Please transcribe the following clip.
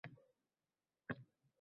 Muloqot doirangiz kengayadi